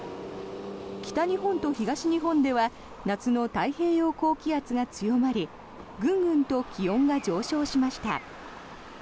北日本と東日本では夏の太平洋高気圧が強まりグングンと気温が上昇しました。